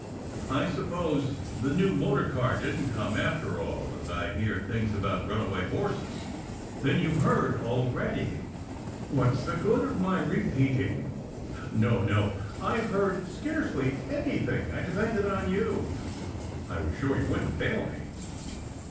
I suppose the new motor car didn t come after all, as I hear things about runaway horses." " Then you have heard already? What s the good of my repeating " SECRET HISTORY 197 "No no! I ve heard scarcely anything. I depended on you. I was sure you wouldn t fail me."